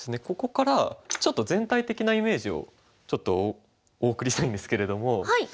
ここからちょっと全体的なイメージをちょっとお送りしたいんですけれども。